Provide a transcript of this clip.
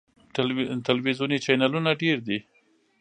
ټلویزیوني چینلونه ډیر دي.